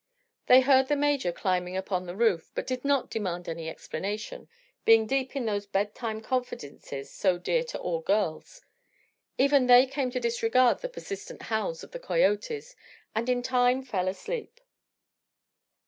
They heard the Major climbing upon the roof, but did not demand any explanation, being deep in those bedtime confidences so dear to all girls. Even they came to disregard the persistent howls of the coyotes, and in time fell asleep.